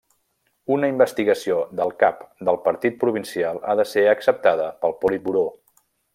Una investigació del cap del partit provincial ha de ser acceptada pel Politburó.